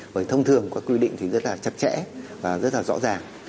bởi thông thường các quy định thì rất là chặt chẽ và rất là rõ ràng